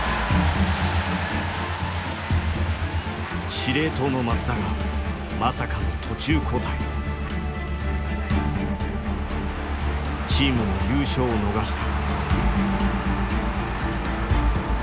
司令塔の松田がまさかのチームも優勝を逃した。